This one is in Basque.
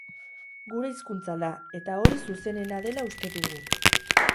Gure hizkuntza da eta hori zuzenena dela uste dugu.